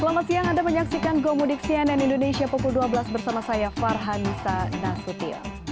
selamat siang anda menyaksikan gomudik cnn indonesia pukul dua belas bersama saya farhanisa nasution